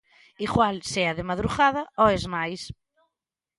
Igual se é de madrugada oes máis.